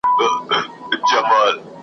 ویل کوچ وکړ یارانو ویل ړنګ سول محفلونه .